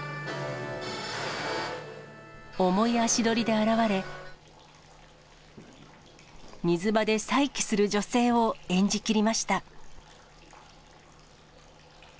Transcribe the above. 重い足取りで現れ、水場で再起する女性を演じきりました。